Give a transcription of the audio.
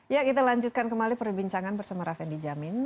ya kita lanjutkan kembali perbincangan bersama raffi dijamin